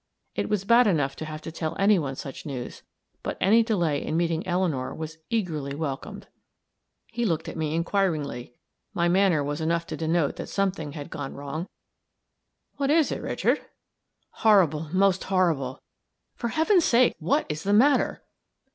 It was bad enough to have to tell any one such news, but any delay in meeting Eleanor was eagerly welcomed. He looked at me inquiringly my manner was enough to denote that something had gone wrong. "What is it, Richard?" "Horrible most horrible!" "For heaven's sake, what is the matter?"